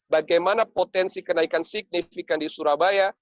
bagaimana potensi kenaikan signifikan di surabaya